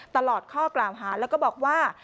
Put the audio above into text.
ตลอดข้อกล่าวหาแล้วก็บอกว่า